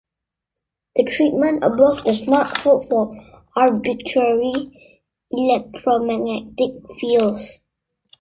The treatment above does not hold for arbitrary electromagnetic fields.